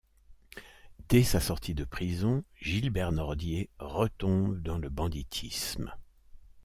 Dès sa sortie de prison, Gilbert Nordier retombe dans le banditisme.